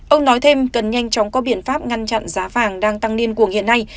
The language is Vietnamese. ông nói thêm cần nhanh chóng có biện pháp ngăn chặn giá vàng đang tăng niên cuồng hiện nay